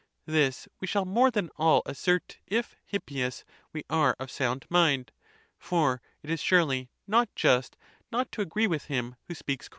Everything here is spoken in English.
* This we shall more than all assert, if, Hippias, we are of sound mind. For it is surely not just not to agree with him, who speaks correctly.